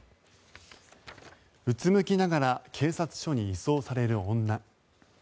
うつむきながら警察署に移送される女。